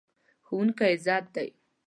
ښوونکی عزت دی.